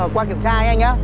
qua kiểm tra ấy anh nhá